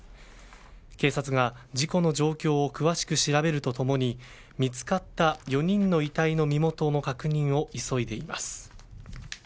警察が事故の状況を詳しく調べるとともに見つかった４人の遺体の身元の確認を急いでいます。